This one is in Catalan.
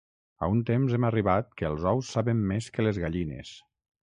A un temps hem arribat que els ous saben més que les gallines.